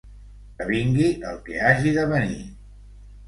Que vingui el que hagi de venir.